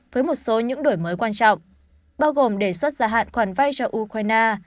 với một số những đổi mới quan trọng bao gồm đề xuất gia hạn khoản vay cho ukraine